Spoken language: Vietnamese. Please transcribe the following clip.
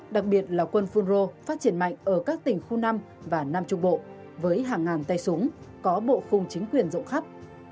đặc biệt là quân phun rô phát triển mạnh ở các tỉnh khu năm và nam trung bộ với hàng ngàn tay súng có bộ khung chính quyền rộng khắp